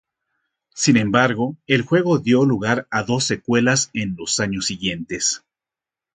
Sin embargo, el juego dio lugar a dos secuelas en los años siguientes.